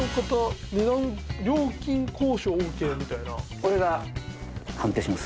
俺が判定します。